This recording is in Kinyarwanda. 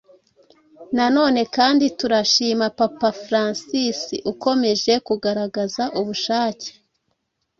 Nanone kandi turashima Papa Francis ukomeje kugaragaza ubushake